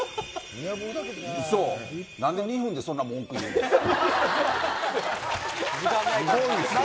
何で２分でそんな文句言うんですか。